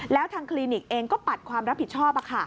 แล้วทางคลินิกเองก็ปัดความรับผิดชอบ